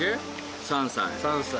「３歳」